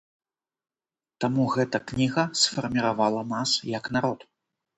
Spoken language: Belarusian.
Таму гэта кніга сфарміравала нас як народ.